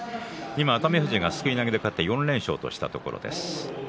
熱海富士が今勝って４連勝としたところです。